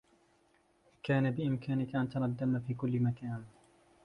كان بإمكانك أن ترى الدّم في كلّ مكان.